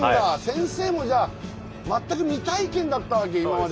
先生もじゃあ全く未体験だったわけ今まで。